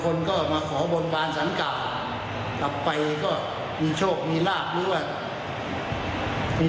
คนก็มาขอบนบานสังกะกลับไปก็มีโชคมีลาบหรือว่ามี